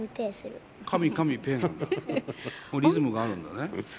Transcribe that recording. リズムがあるんだね。